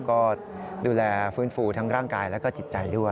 ก็ดูแลฟื้นฟูทั้งร่างกายแล้วก็จิตใจด้วย